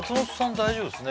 大丈夫ですね